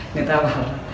người ta bảo là